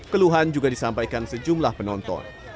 keluhan juga disampaikan sejumlah penonton